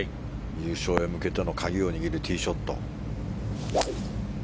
優勝へ向けての鍵を握るティーショット。